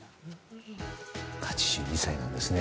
８２歳なんですね。